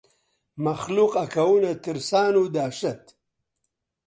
مەخلووق ئەکەونە ترسان و دەهشەت